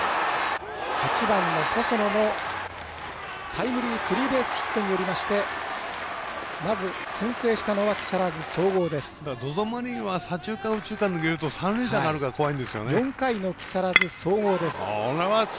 ８番の細野のタイムリースリーベースヒットでまず先制したのは木更津総合です。